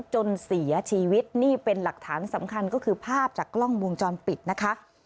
จนเสียชีวิตนี่เป็นหลักฐานสำคัญก็คือภาพจากกล้องวงจรปิดนะคะ